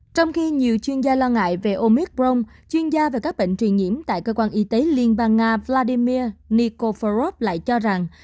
trong khi nhiều chuyên gia lo ngại về omicron chuyên gia về các bệnh truyền nhiễm tại cơ quan y tế liên bang nga vladimir nikofarob lại cho rằng